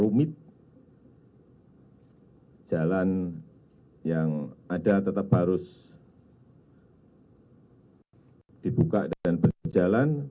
rumit jalan yang ada tetap harus dibuka dan berjalan